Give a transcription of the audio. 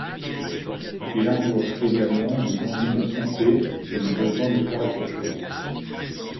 Il invoque également des ennuis de santé et le besoin de faire autre chose.